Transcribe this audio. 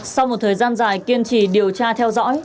sau một thời gian dài kiên trì điều tra theo dõi